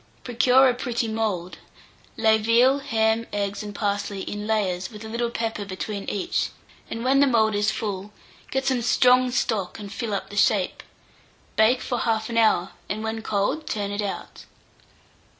Procure a pretty mould; lay veal, ham, eggs, and parsley in layers, with a little pepper between each, and when the mould is full, get some strong stock, and fill up the shape. Bake for 1/2 hour, and when cold, turn it out.